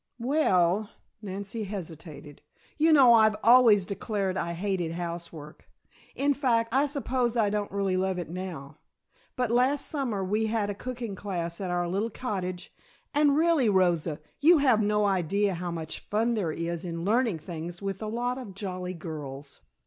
"Well," Nancy hesitated, "you know I've always declared I hated housework. In fact, I suppose I don't really love it now, but last summer we had a cooking class at our little cottage, and really, Rosa, you have no idea how much fun there is in learning things with a lot of jolly girls."